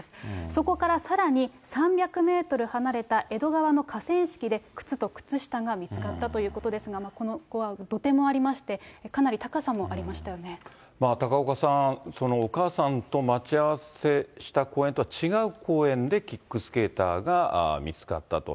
そこからさらに３００メートルほど離れた江戸川の河川敷で、靴と靴下が見つかったということですが、ここは土手もありまして、高岡さん、お母さんと待ち合わせした公園とは違う公園でキックスケーターが見つかったと。